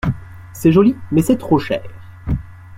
C’est joli mais c’est trop cher.